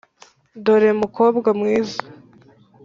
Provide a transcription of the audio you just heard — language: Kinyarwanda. dore mukobwa, mwiza